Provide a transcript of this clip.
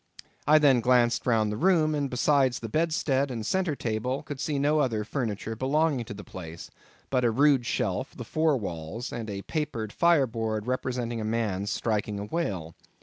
I then glanced round the room; and besides the bedstead and centre table, could see no other furniture belonging to the place, but a rude shelf, the four walls, and a papered fireboard representing a man striking a whale.